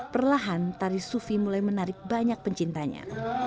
perlahan tari sufi mulai menarik banyak pencintanya